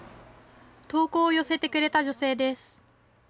投稿を寄せてくれた女性です。